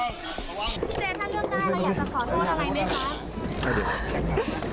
ระวัง